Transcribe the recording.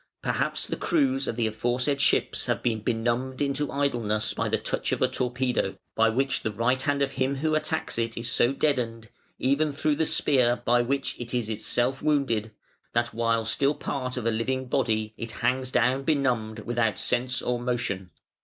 Perhaps the crews of the aforesaid ships have been benumbed into idleness by the touch of a torpedo, by which the right hand of him who attacks it is so deadened even through the spear by which it is itself wounded that while still part of a living body it hangs down benumbed without sense or motion.